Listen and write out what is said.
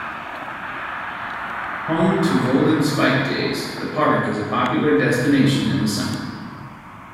Home to Golden Spike Days, the park is a popular destination in the summer.